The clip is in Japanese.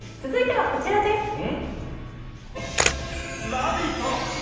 続いては、こちらです。